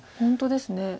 本当ですね。